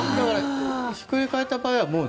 ひっくり返った場合は。